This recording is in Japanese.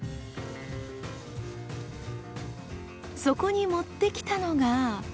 そこに持ってきたのが。